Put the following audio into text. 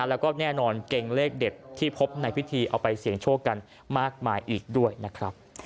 แล้วก็แน่นอนเก่งเลขเด็ดที่พบในพิธีเอาไปเสี่ยงโชคกันมากมายอีกด้วยนะครับ